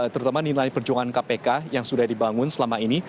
terutama nilai perjuangan kpk yang sudah dibangun selama ini